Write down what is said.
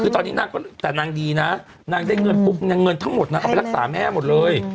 คือตอนนี้นางก็แต่นางดีนะนางได้เงินปุ๊บนางเงินทั้งหมดนางเอาไปรักษาแม่หมดเลย